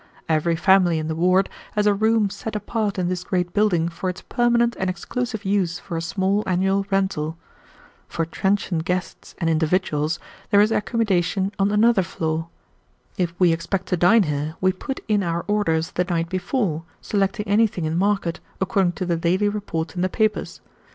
"Every family in the ward has a room set apart in this great building for its permanent and exclusive use for a small annual rental. For transient guests and individuals there is accommodation on another floor. If we expect to dine here, we put in our orders the night before, selecting anything in market, according to the daily reports in the papers.